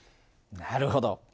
なるほど。